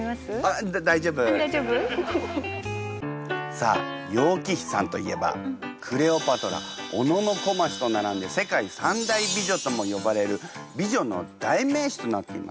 さあ楊貴妃さんといえばクレオパトラ小野小町と並んで世界三大美女とも呼ばれる美女の代名詞となっています。